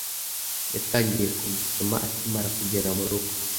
Yatangiye kumusoma akimara kugera murugo.